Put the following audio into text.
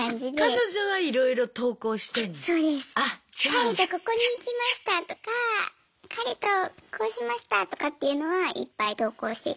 彼とここに行きましたとか彼とこうしましたとかっていうのはいっぱい投稿してて。